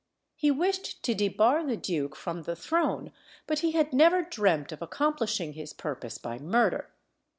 He wished to debar the duke from the throne, but he had never dreamt of accomplishing his purpose by murder.